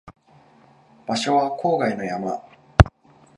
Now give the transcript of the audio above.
場所は郊外の山